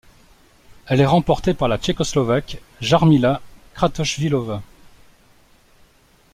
Elle est remportée par la Tchécoslovaque Jarmila Kratochvílová.